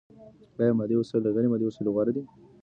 ايا مادي وسايل له غير مادي وسايلو غوره دي؟